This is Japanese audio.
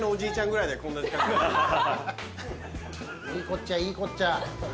いいこっちゃいいこっちゃ。